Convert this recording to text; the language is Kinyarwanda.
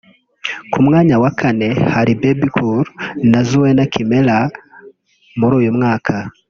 Ku mwanya wa kane hari Bebe Cool na Zuena Kimera; Muri uyu mwaka